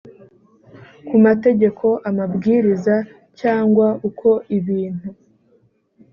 ku mategeko amabwiriza cyangwa uko ibintu